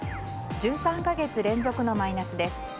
１３か月連続のマイナスです。